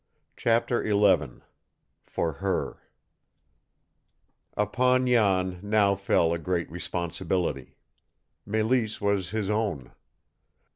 CHAPTER XI FOR HER Upon Jan now fell a great responsibility. Mélisse was his own.